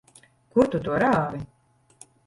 Kur tu to rāvi?